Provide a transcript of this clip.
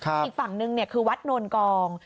อีกฝั่งนึงคือวัดโนนกอง